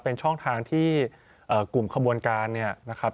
เป็นช่องทางที่กลุ่มขบวนการเนี่ยนะครับ